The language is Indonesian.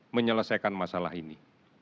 menyelesaikan masalah ini